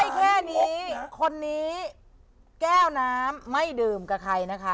แค่นี้คนนี้แก้วน้ำไม่ดื่มกับใครนะคะ